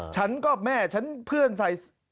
ฉันก็แม่ฉันเพื่อนใส่